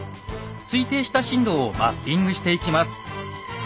推定した震度をマッピングしていきます。